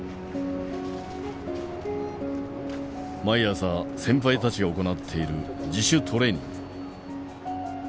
毎朝先輩たちが行っている自主トレーニング。